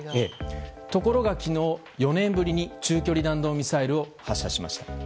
ところが、昨日４年ぶりに中距離弾道ミサイルを発射しました。